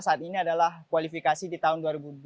saat ini adalah kualifikasi di tahun dua ribu dua puluh